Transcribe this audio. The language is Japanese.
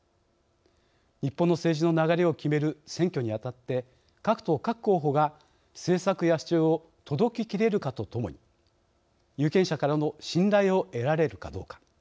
日本の政治の流れを決める選挙にあたって各党・各候補が政策や主張を届けきれるかとともに有権者からの信頼を得られるかどうか。